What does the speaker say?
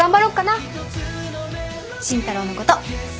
慎太郎のこと。